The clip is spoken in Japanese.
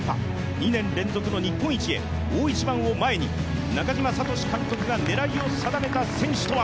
２年連続の日本一へ、大一番を前に中嶋聡監督が狙いを定めた選手とは。